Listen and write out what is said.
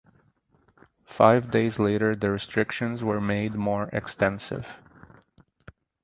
Five days later the restrictions were made more extensive.